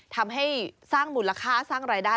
ทำให้สร้างมูลค่าสร้างรายได้